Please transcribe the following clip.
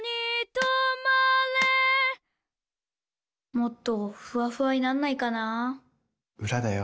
もっとフワフワになんないかなぁ裏だよ。